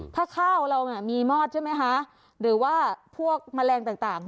ถ้าข้าวเรามีมอดใช่ไหมคะหรือว่าพวกแมลงต่าง